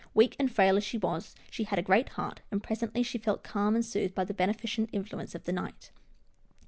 Weak and frail as she was, she had a great heart, and presently she felt calmed and soothed by the beneficent influence of the night.